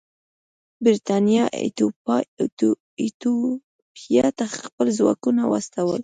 برېټانیا ایتوپیا ته خپل ځواکونه واستول.